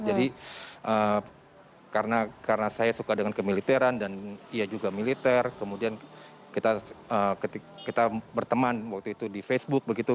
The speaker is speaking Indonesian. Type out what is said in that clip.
jadi karena saya suka dengan kemiliteran dan ia juga militer kemudian kita berteman waktu itu di facebook begitu